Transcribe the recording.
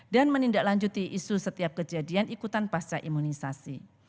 dan menindaklanjuti isu setiap kejadian ikutan pasar imunisasi